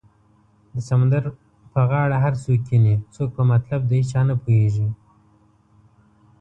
د سمندر په غاړه هر څوک کینې څوک په مطلب د هیچا نه پوهیږې